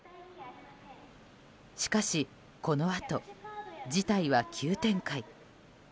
しかし、このあと事態は急展開。